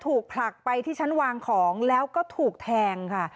ผลักไปที่ชั้นวางของแล้วก็ถูกแทงค่ะ